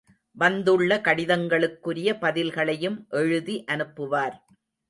வந்துள்ள கடிதங்களுக்குரிய பதில்களையும் எழுதி அனுப்புவார்.